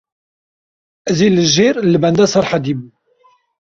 Ez ê li jêr li benda Serhedî bim.